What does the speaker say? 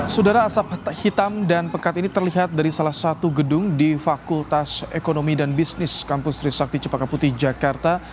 sudara asap hitam dan pekat ini terlihat dari salah satu gedung di fakultas ekonomi dan bisnis kampus trisakti cepaka putih jakarta